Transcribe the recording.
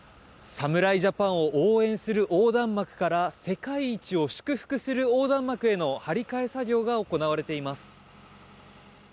侍ジャパンを応援する横断幕から世界一を祝福する横断幕への張り替え作業が行われています。